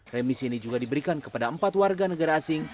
remisi ini juga diberikan kepada empat warga negara asing